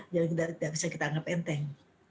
jadi tidak bisa kita anggap enteng